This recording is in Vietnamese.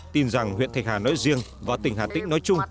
tin rằng huyện thạch hà nói riêng và tỉnh hà tĩnh nói chung